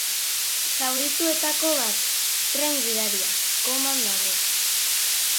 Zaurituetako bat, tren gidaria, koman dago.